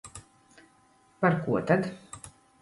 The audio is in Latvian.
Par ko tad?